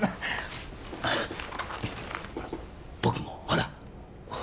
僕もほら！